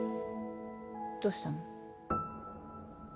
どうしたの？